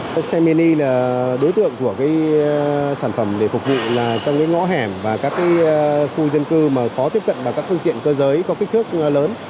các xe mini là đối tượng của sản phẩm để phục vụ trong ngõ hẻm và các khu dân cư mà khó tiếp cận bằng các phương tiện cơ giới có kích thước lớn